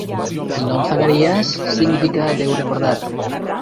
El nom "Zacarías" significa 'Déu recordat'.